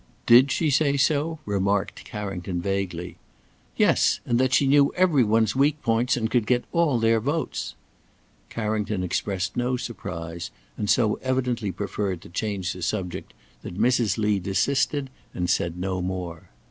"Did she say so?" remarked Carrington vaguely. "Yes! and that she knew every one's weak points and could get all their votes." Carrington expressed no surprise, and so evidently preferred to change the subject, that Mrs. Lee desisted and said no more.